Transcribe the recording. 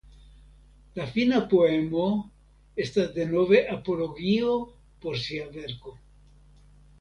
La fina poemo estas denove apologio por sia verko.